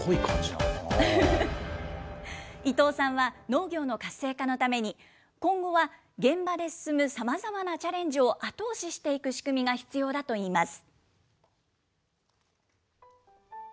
伊藤さんは、農業の活性化のために、今後は現場で進むさまざまなチャレンジを後押ししていく仕組みが必要だといいます。